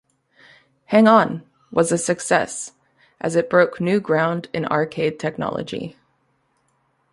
"Hang-On" was a success as it broke new ground in arcade technology.